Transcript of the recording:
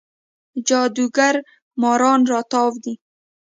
جادوګر ماران راتاو دی